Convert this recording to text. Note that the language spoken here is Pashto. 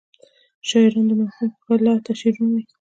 شاعران د ماښام ښکلا ته شعرونه وايي.